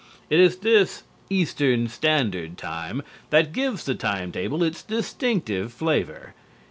It is this "Eastern Standard Time" that gives the time table its distinctive flavor.